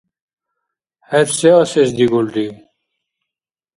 ХӀед се асес дигулрив?